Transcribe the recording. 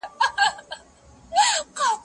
زه اجازه لرم چي واښه راوړم؟!